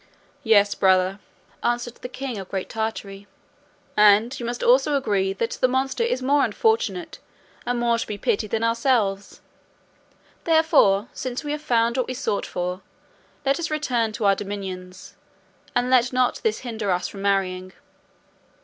"Yes, brother," answered the king of Great Tartary; "and you must also agree that the monster is more unfortunate, and more to be pitied than ourselves. Therefore, since we have found what we sought for, let us return to our dominions, and let not this hinder us from marrying.